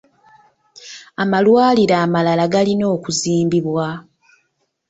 Amalwaliro amalala galina okuzimbibwa.